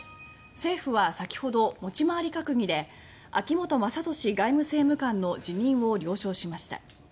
政府は先ほど持ち回り閣議で秋本真利外務政務官の辞任を了承しました。